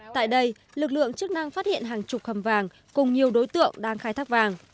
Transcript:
tại đây lực lượng chức năng phát hiện hàng chục hầm vàng cùng nhiều đối tượng đang khai thác vàng